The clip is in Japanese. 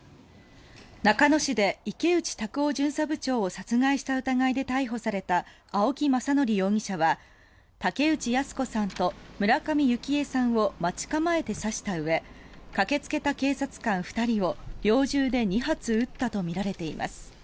中野市で池内卓夫巡査部長を殺害した疑いで逮捕された青木政憲容疑者は竹内靖子さんと村上幸枝さんを待ち構えて刺したうえ駆けつけた警察官２人を猟銃で２発撃ったとみられています。